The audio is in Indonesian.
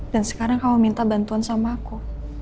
dan sekarang kamu minta bantuan sama aku